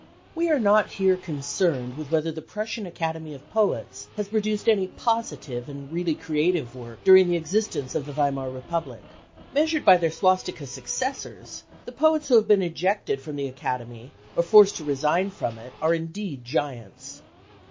We are not here concerned with whether the Prussian Academy • of Poets has produced any positive and really creative work during the existence of the Weimar Republic. Measured by their swastika successors, the poets who have been ejected from the Academy or forced to resign from it are indeed giants.